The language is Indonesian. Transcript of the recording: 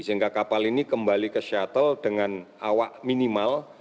sehingga kapal ini kembali ke shuttle dengan awak minimal